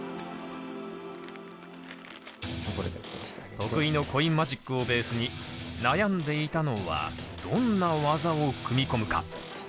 得意のコインマジックをベースに悩んでいたのはどんな技を組み込むか。